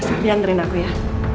mas habis dianggerin aku ya